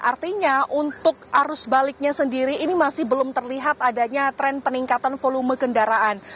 artinya untuk arus baliknya sendiri ini masih belum terlihat adanya tren peningkatan volume kendaraan